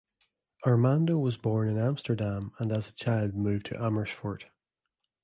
Armando was born in Amsterdam, and as child moved to Amersfoort.